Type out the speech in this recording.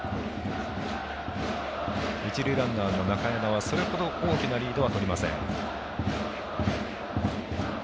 一塁ランナーの中山はそれほど大きなリードはとりません。